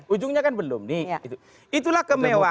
ujungnya kan belum nih